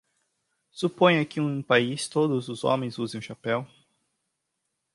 Suponha que em um país todos os homens usem um chapéu.